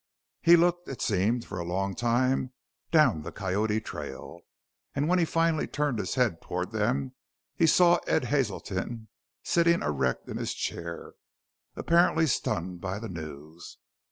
He looked it seemed for a long time down the Coyote trail, and when he finally turned his head toward them he saw Ed Hazelton sitting erect in his chair, apparently stunned by the news.